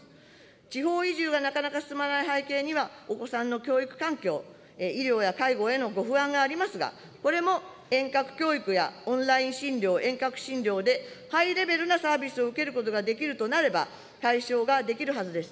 地方移住がなかなか進まない背景には、お子さんの教育環境、医療や介護へのご不安がありますが、これも遠隔教育やオンライン診療、遠隔診療でハイレベルなサービスを受けることができるとなれば、解消ができるはずです。